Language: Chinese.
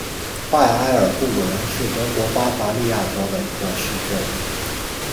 拜埃尔布伦是德国巴伐利亚州的一个市镇。